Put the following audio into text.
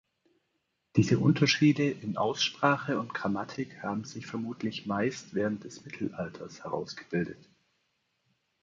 Diese Unterschiede in Aussprache und Grammatik haben sich vermutlich meist während des Mittelalters herausgebildet.